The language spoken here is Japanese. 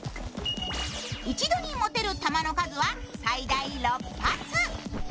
一度に持てる弾の数は最大６発。